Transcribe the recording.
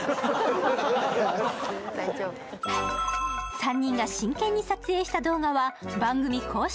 ３人が真剣に撮影した動画は番組公式